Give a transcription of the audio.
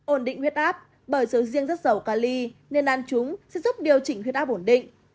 ổn định huyết áp bởi sầu riêng rất giàu cali nên ăn chúng sẽ giúp điều chỉnh huyết áp ổn định